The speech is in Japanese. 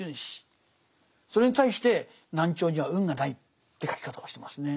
それに対して南朝には運がないって書き方をしてますね。